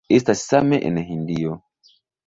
Estas same en Hindio.